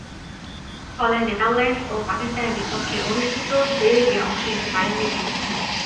ফলে নেদারল্যান্ডস ও পাকিস্তানের বিপক্ষে অনুষ্ঠিত সিরিজে অংশ নিতে পারেননি তিনি।